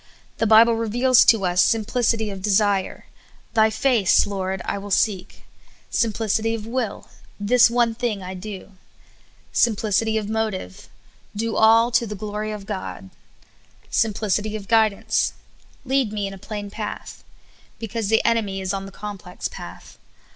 The Bible reveals to us simplicity of desire —" Thj' face. Lord, will I seek;" simplicit}^ of will —" This one thing I do;" simplicit}^ of motive —'' Do all to the glory of God ;'' simplicity of guid ance —*' Lead me in a plain path, '' because the enemy is on the complex path.